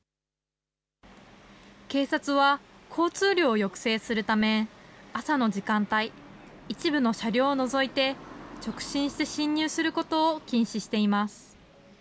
警察は交通量を抑制するため、朝の時間帯、一部の車両を除いて、直進して進入することを禁止しています。